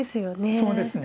そうですね。